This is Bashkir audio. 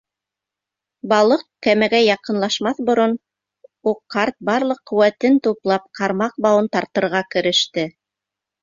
Балыҡ кәмәгә яҡынлашмаҫ борон уҡ, ҡарт, барлыҡ ҡеүәтен туплап, ҡармаҡ бауын тартырға кереште.